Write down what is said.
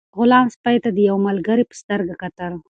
غلام سپي ته د یو ملګري په سترګه کتل.